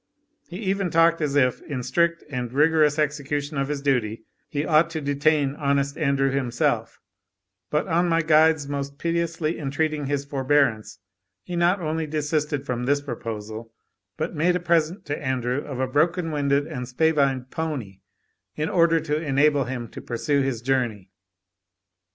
He even talked as if, in strict and rigorous execution of his duty, he ought to detain honest Andrew himself; but on my guide's most piteously entreating his forbearance, he not only desisted from this proposal, but made a present to Andrew of a broken winded and spavined pony, in order to enable him to pursue his journey.